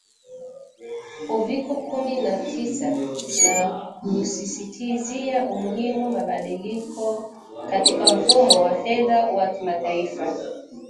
Uviko kumi na tisa na kusisitizia umuhimu mabadiliko katika mfumo wa fedha wa kimataifa